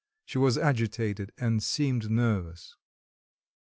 She was agitated and seemed nervous.